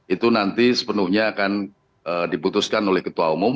itu nanti sepenuhnya akan diputuskan oleh ketua umum